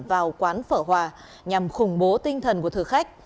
vào quán phở hòa nhằm khủng bố tinh thần của thực khách